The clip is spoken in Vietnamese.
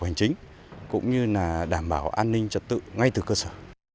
hành chính cũng như là đảm bảo an ninh trật tự ngay từ cơ sở